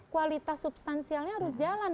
kualitas substansialnya harus jalan